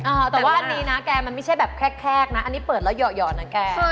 อ่าแต่ว่าอันนี้นะแกมันไม่ใช่แบบแคกนะอันนี้เปิดแล้วหย่อนะแก